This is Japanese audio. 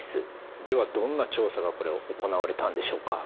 ではどんな調査がこれ行われたんでしょうか？